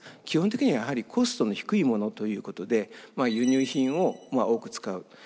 基本的にはやはりコストの低いものということで輸入品を多く使う。